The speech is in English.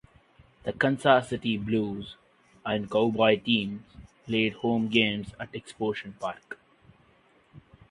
The Kansas City Blues and Cowboys teams played home games at Exposition Park.